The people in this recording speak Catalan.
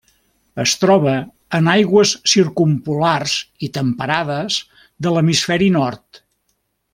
Es troba en aigües circumpolars i temperades de l'hemisferi nord.